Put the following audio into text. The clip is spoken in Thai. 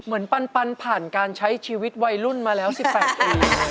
เหมือนปันผ่านการใช้ชีวิตวัยรุ่นมาแล้ว๑๘ปีไม่เหลือ